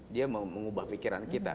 dia mengubah pikiran kita